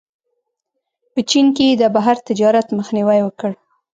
په چین کې یې د بهر تجارت مخنیوی وکړ.